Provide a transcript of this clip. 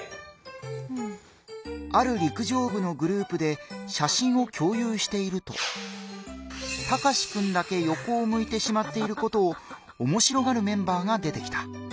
ある陸上部のグループで写真を共有しているとタカシくんだけよこを向いてしまっていることをおもしろがるメンバーが出てきた。